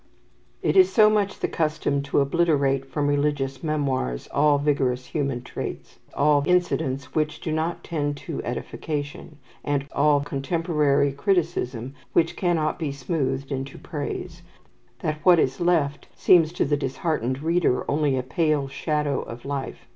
It is so much the custom to obliterate from religious memoirs all vigorous human traits, all incidents which do not tend to edification, and all contemporary criticism which cannot be smoothed into praise, that what is left seems to the disheartened reader only a pale shadow of life.